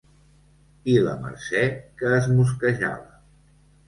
I la Mercè que es mosquejava.